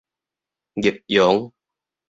日傭